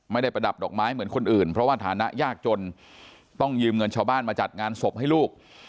ประดับดอกไม้เหมือนคนอื่นเพราะว่าฐานะยากจนต้องยืมเงินชาวบ้านมาจัดงานศพให้ลูก